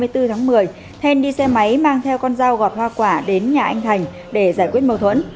tháng một mươi then đi xe máy mang theo con dao gọt hoa quả đến nhà anh thành để giải quyết mâu thuẫn